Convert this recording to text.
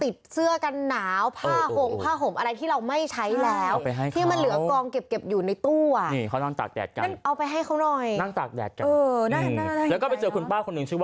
เสื้อกันหนาวผ้าห่มผ้าห่มอะไรที่เราไม่ใช้แล้ว